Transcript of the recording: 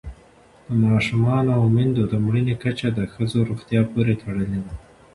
د ماشومانو او میندو د مړینې کچه د ښځو روغتیا پورې تړلې ده.